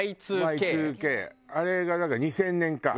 あれがだから２０００年か。